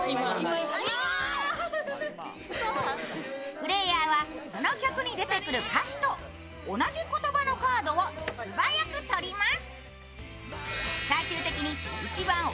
プレーヤーはその曲に出てくる歌詞と同じ言葉のカードを素早く取ります。